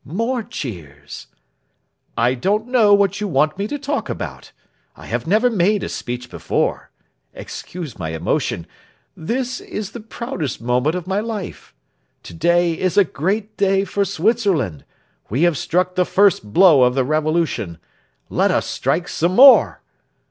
More cheers. "I don't know what you want me to talk about. I have never made a speech before. Excuse my emotion. This is the proudest moment of my life. To day is a great day for Switzerland. We have struck the first blow of the revolution. Let us strike some more."